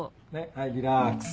はいリラックス。